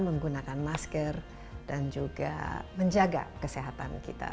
menggunakan masker dan juga menjaga kesehatan kita